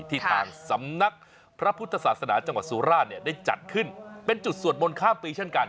ที่ทางสำนักพระพุทธศาสนาจังหวัดสุราชเนี่ยได้จัดขึ้นเป็นจุดสวดมนต์ข้ามปีเช่นกัน